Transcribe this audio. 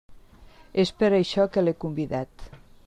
És per això que l'he convidat.